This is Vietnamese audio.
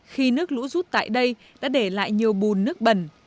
khi nước lũ rút tại đây đã để lại nhiều bùn nước bẩn